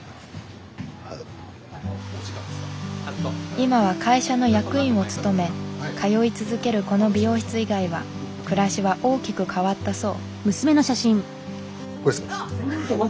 今は会社の役員を務め通い続けるこの美容室以外は暮らしは大きく変わったそう。